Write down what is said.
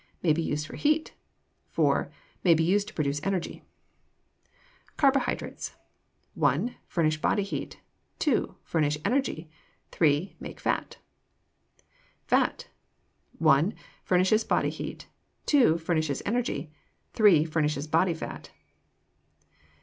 May be used for heat. 4. May be used to produce energy. Carbohydrates 1. Furnish body heat. 2. Furnish energy. 3. Make fat. Fat 1. Furnishes body heat. 2. Furnishes energy. 3. Furnishes body fat.